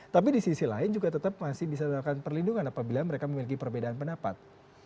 tapi di sisi lain juga tetap masih bisa dilakukan perlindungan apabila mereka memiliki perbedaan pendapat